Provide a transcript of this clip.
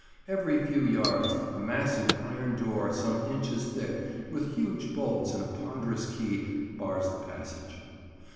Every few yards a massive iron door some inches thick, with huge bolts and a ponderous key, bars the passage.